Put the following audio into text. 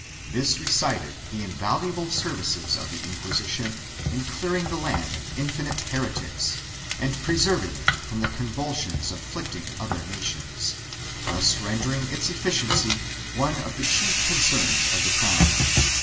This recited the invaluable services of the Inquisition in clearing the land of infinite heretics and preserving it from the convulsions afflicting other nations, thus rendering its efficiency one of the chief concerns of the crown.